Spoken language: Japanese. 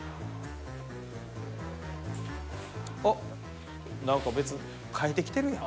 あっ何か別変えてきてるやん。